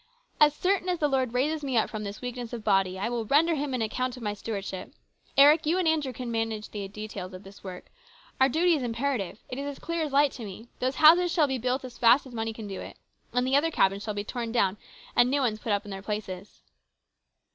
" As certain 254 HIS BROTHER'S KEEPER. as the Lord raises me up from this weakness of body, I will render Him an account of my stewardship. Eric, you and Andrew can arrange the details of this work. Our duty is imperative. It is as clear as light to me. Those houses shall be built as fast as money can do it. And the other cabins shall be torn down and new ones put up in their places."